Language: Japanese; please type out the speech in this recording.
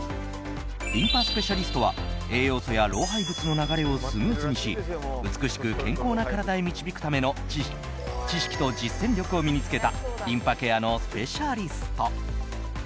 リンパスペシャリストは栄養素や老廃物の流れをスムーズにし美しく健康な体へ導くための知識と実践力を身に付けたリンパケアのスペシャリスト。